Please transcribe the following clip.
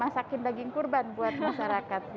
masakin daging kurban buat masyarakat